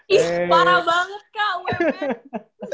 ih parah banget kak wmn